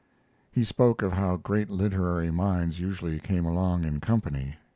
He spoke of how great literary minds usually came along in company.